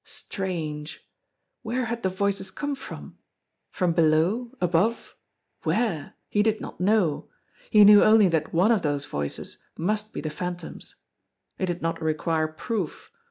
Strange ! Where had the voices come from ? From below, above where? He did not know. He knew only that one of those voices must be the Phantom's. It did not require proof.